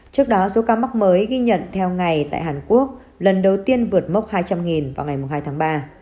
trước đó số ca mắc mới ghi nhận theo ngày tại hàn quốc lần đầu tiên vượt mốc hai trăm linh vào ngày hai tháng ba